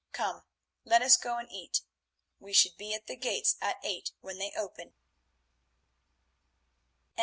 Come, let us go and eat; we should be at the gates at eight when they open."